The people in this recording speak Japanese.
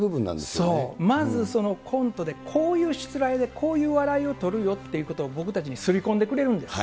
まずそのコントで、こういうしつらえで、こういう笑いを取るよっていうことを僕たちに刷り込んでくれるんです。